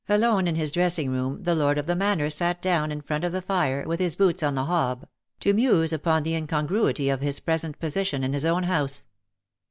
Alone in his dressing room the lord of the Manor sat down in front of the fire with his boots on the hob, to muse upon the incongruity of his present position in his own house.